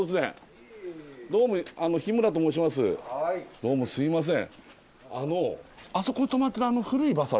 どうもすいません。